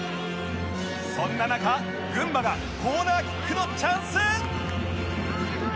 そんな中群馬がコーナーキックのチャンス！